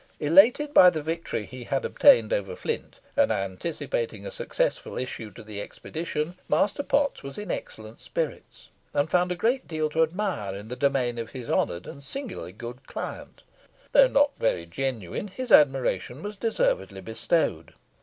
Elated by the victory he had obtained over Flint, and anticipating a successful issue to the expedition, Master Potts was in excellent spirits, and found a great deal to admire in the domain of his honoured and singular good client. Though not very genuine, his admiration was deservedly bestowed.